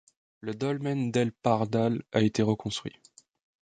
Le dolmen del Pardal a été reconstruit.